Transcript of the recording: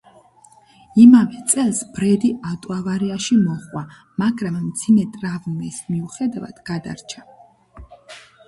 იმავე წელს ბრედი ავტოავარიაში მოჰყვა, მაგრამ, მძიმე ტრავმის მიუხედავად, გადარჩა.